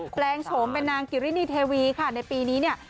แปลงโฉมเป็นนางกิรินีเทวีค่ะในปีนี้เนี่ย